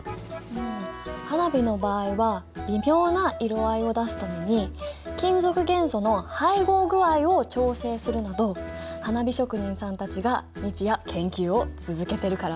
うん花火の場合は微妙な色合いを出すために金属元素の配合具合を調整するなど花火職人さんたちが日夜研究を続けてるからね。